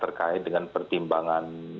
terkait dengan pertimbangan